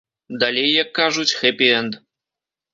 Далей, як кажуць, хэпі-энд.